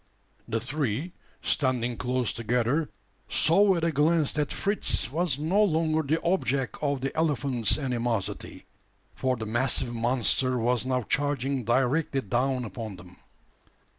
The three, standing close together, saw at a glance that Fritz was no longer the object of the elephant's animosity: for the massive monster was now charging directly down upon them.